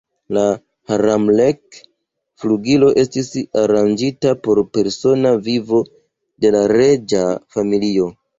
La "Haramlek"-flugilo estis aranĝita por persona vivo de la reĝa familio.